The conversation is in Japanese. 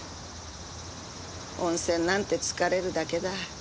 温泉なんて疲れるだけだ。